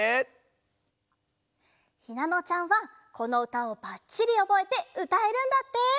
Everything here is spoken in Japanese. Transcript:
ひなのちゃんはこのうたをばっちりおぼえてうたえるんだって。